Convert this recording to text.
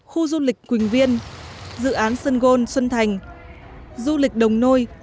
khu du lịch quỳnh viên dự án sân gôn xuân thành du lịch đồng nôi